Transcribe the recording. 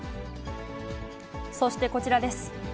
そしてこちらです。